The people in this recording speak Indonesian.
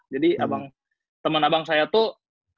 jadi temen abang saya tuh kayak